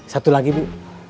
satu lagi bu